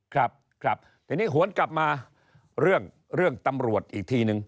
ครับครับทีนี้หวนกลับมาเรื่องเรื่องตำรวจอีกทีนึง